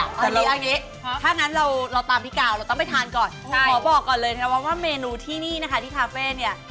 เอาอย่างนี้เอาอย่างนี้ถ้างั้นเราตามพี่กาวเราต้องไปทานก่อนขอบอกก่อนเลยนะว่าเมนูที่นี่นะคะที่คาเฟ่เนี่ย